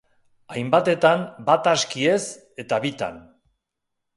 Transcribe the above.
Hainbatetan, bat aski ez, eta bitan.